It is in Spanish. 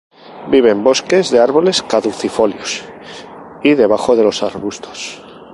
Vive en bosques de árboles caducifolios y debajo de los arbustos.